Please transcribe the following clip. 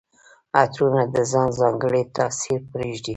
عطرونه د ځان ځانګړی تاثر پرېږدي.